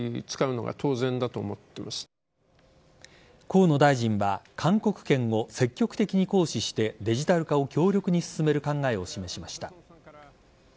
河野大臣は勧告権を積極的に行使してデジタル化を強力に進める考えを示しました。